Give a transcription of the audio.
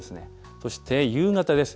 そして夕方です。